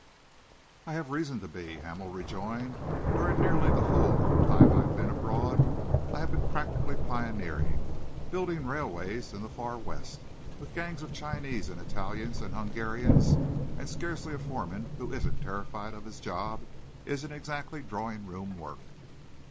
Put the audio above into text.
"I have had reason to be," Hamel rejoined. "During nearly the whole of the time I have been abroad, I have been practically pioneering. Building railways in the far West, with gangs of Chinese and Italians and Hungarians and scarcely a foreman who isn't terrified of his job, isn't exactly drawing room work."